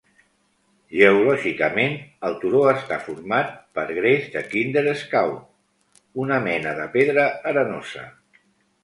Geològicament, el turó està format per gres de Kinder Scout, una mena de pedra arenosa.